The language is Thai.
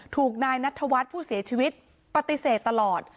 ถูกนายนัทธวัฒน์ผู้เสียชีวิตปฏิเสธตลอด